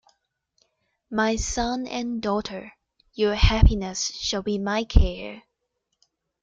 My son and daughter, your happiness shall be my care.